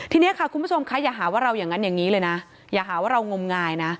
ทีนี้ค่ะคุณผู้ชมคะอย่าหาว่าเราอย่างนั้นอย่างนี้เลยนะอย่าหาว่าเรางมงายนะ